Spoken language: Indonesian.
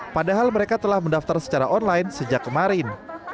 padahal mereka telah mendaftar secara online sejak kemarin